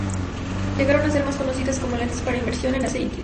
Llegaron a ser más conocidas como lentes para inmersión en "aceite".